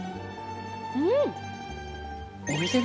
うん！